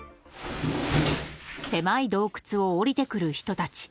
狭い洞窟を降りてくる人たち。